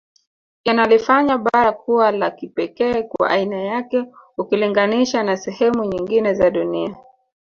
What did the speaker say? Yanalifanya bara kuwa la kipekee kwa aiana yake ukilinganisha na sehemu nyingine za dunia